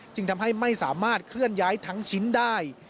จึงทำให้ไม่สามารถเคลื่อนย้ายทั้งชิ้นได้